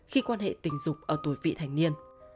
khi quan hệ tâm lý và tâm lý của các bạn trẻ